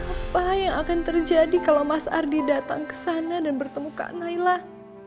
apa yang akan terjadi kalau mas ardi datang ke sana dan bertemu kak naila